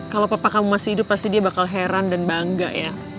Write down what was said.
kalau papa kamu masih hidup pasti dia bakal heran dan bangga ya